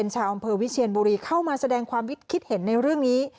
ชาวอำเภอวิเชียนบุรีเข้ามาแสดงความคิดเห็นในเรื่องนี้